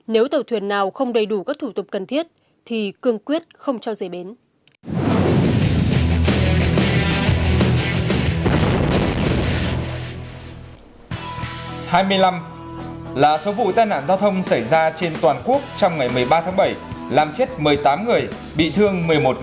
nếu tàu thuyền nào không đầy đủ các thủ tục cần thiết thì cương quyết không cho dây bến